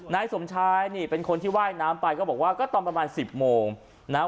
นายสมชายนี่เป็นคนที่ว่ายน้ำไปก็บอกว่าก็ตอนประมาณสิบโมงนะฮะ